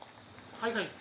はいはい。